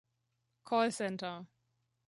Call Center